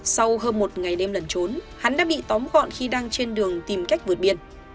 sau hơn một ngày đêm lần trốn hắn đã bị tóm gọn khi đang trên đường tìm cách vượt biên